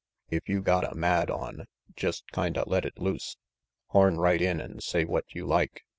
If you got a mad on, jest kinda let it loose. Horn right in an' say what you like.